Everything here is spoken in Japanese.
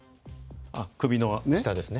あっ首の下ですね。